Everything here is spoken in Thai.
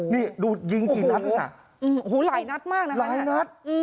นี่ดูยิงกี่นัดละหลายนัดมากนะ